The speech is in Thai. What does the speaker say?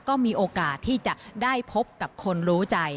ก็มีโอกาสที่จะได้พบกับคนรู้ใจ